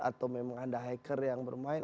atau memang ada hacker yang bermain